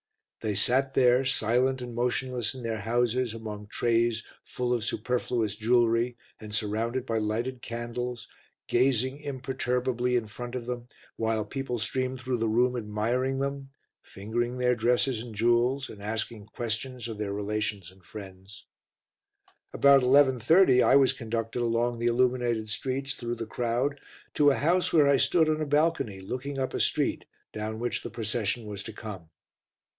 They sat there silent and motionless in their houses among trays full of superfluous jewellery and surrounded by lighted candles, gazing imperturbably in front of them while people streamed through the room admiring them, fingering their dresses and jewels, and asking questions of their relations and friends. About 11.30 I was conducted along the illuminated streets through the crowd to a house where I stood on a balcony looking up a street down which the procession was to come.